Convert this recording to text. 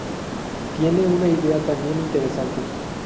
tiene una idea también interesante